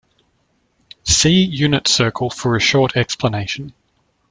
See unit circle for a short explanation.